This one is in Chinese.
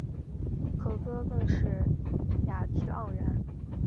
和歌更是雅趣盎然。